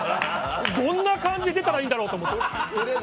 どんな感じで出たらいいんだろうと思って。